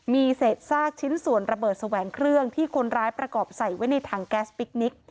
มีเศษซากชิ้นส่วนระเบิดแสวงเครื่องที่คนร้ายประกอบใส่ไว้ในถังแก๊สพิคนิค